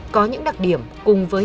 có những đặc điểm cùng với